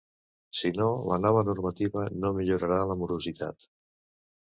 Si no, la nova normativa no millorarà la morositat.